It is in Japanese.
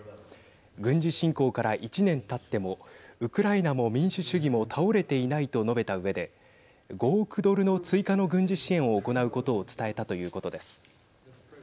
軍事侵攻から１年たってもウクライナも民主主義も倒れていないと述べたうえで５億ドルの追加の軍事支援を行うことを伝えたということです。